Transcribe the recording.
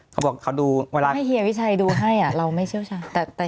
เขาบอกเขาดูเวลาให้เฮียวิชัยดูให้เราไม่เชี่ยวชาญ